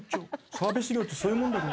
サービス業ってそういうもんだろ？